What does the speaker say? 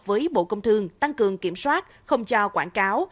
với bộ công thương tăng cường kiểm soát không cho quảng cáo